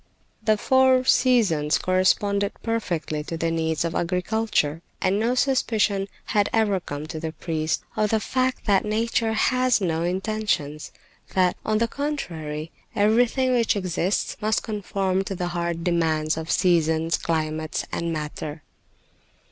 The four seasons corresponded perfectly to the needs of agriculture, and no suspicion had ever come to the priest of the fact that nature has no intentions; that, on the contrary, everything which exists must conform to the hard demands of seasons, climates and matter.